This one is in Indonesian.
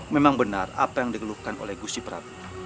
memang benar apa yang digeluhkan oleh gusti ratu